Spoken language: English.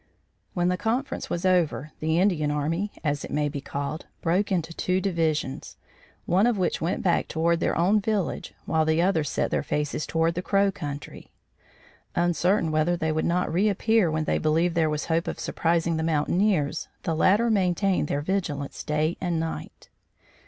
When the conference was over, the Indian army, as it may be called, broke into two divisions, one of which went back toward their own village while the other set their faces toward the Crow country. Uncertain whether they would not reappear when they believed there was hope of surprising the mountaineers, the latter maintained their vigilance day and night.